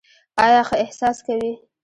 آیا ښه احساس کوې؟